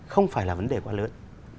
không phải là vấn đề quá lớn